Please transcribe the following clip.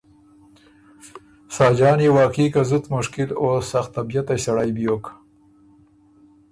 ساجان يې واقعي که زُت مشکِل او سختطبعئ سړئ بیوک۔